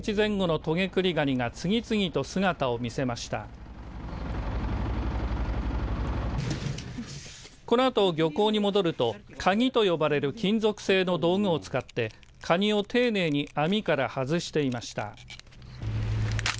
このあと漁港に戻るとカギと呼ばれる金属製の道具を使ってカニを丁寧に網から外していました。